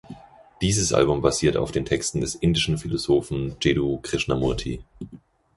Dieses Album basiert auf den Texten des indischen Philosophen Jiddu Krishnamurti.